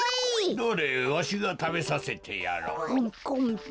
どれわしがたべさせてやろう。